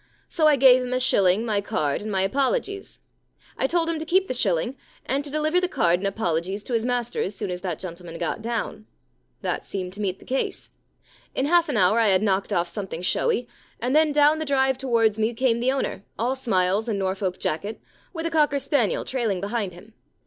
So I gave him a shilling, my card, and my apologies. I told him to keep the shilling and to deliver the card and apologies to his master as soon as that gentleman got down. That seemed to meet the case. In half an hour I had knocked off something showy, and then down the drive towards me came the owner, all smiles and Norfolk jacket, with a Cocker spaniel trailing behind him.